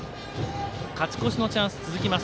勝ち越しのチャンス続きます。